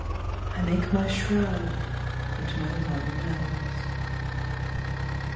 I make my shroud but no one knows.